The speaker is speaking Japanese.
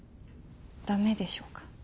ダメでしょうか？